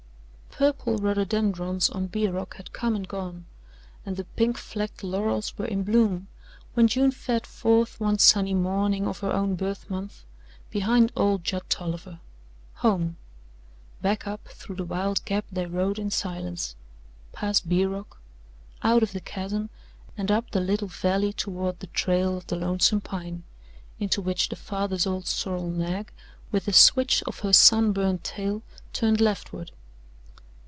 The purple rhododendrons on Bee Rock had come and gone and the pink flecked laurels were in bloom when June fared forth one sunny morning of her own birth month behind old Judd Tolliver home. Back up through the wild Gap they rode in silence, past Bee Rock, out of the chasm and up the little valley toward the Trail of the Lonesome Pine, into which the father's old sorrel nag, with a switch of her sunburnt tail, turned leftward.